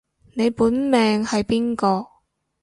你本命係邊個